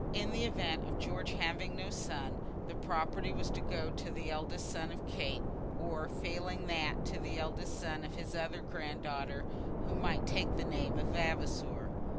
In the event of George having no son, the property was to go to the eldest son of Kate, or failing that to the eldest son of his other granddaughter who might take the name of Vavasor.